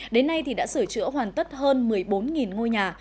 đến nay đã sửa chữa hoàn tất hơn một mươi bốn ngôi nhà